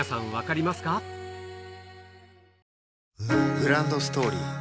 グランドストーリー